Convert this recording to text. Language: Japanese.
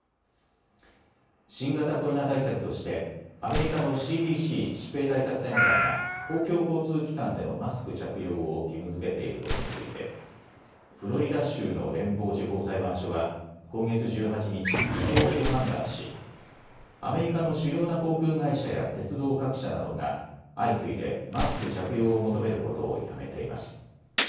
新型コロナ対策としてアメリカのＣＤＣ・疾病対策センターが公共交通機関でのマスク着用を義務づけていることについてフロリダ州の連邦地方裁判所は今月１８日、違法と判断しアメリカの主要な航空会社や鉄道各社などが相次いでマスク着用を求めることをやめています。